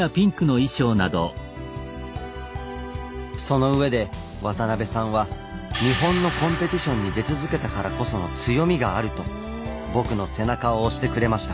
そのうえで渡邉さんは「日本のコンペティションに出続けたからこその強みがある」と僕の背中を押してくれました。